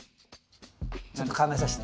ちょっと考えさせて。